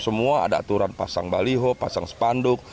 semua ada aturan pasang baliho pasang spanduk